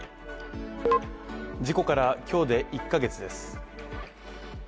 事故から今日で１か月です。